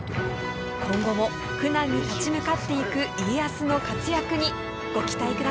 今後も苦難に立ち向かっていく家康の活躍にご期待ください！